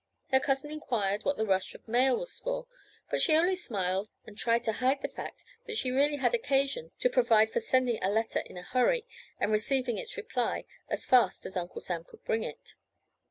Her cousin inquired what the rush of mail was for, but she only smiled and tried to hide the fact that she really had occasion to provide for sending a letter in a hurry, and receiving its reply as fast as Uncle Sam could bring it.